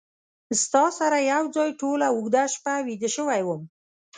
ستا سره یو ځای ټوله اوږده شپه ویده شوی وم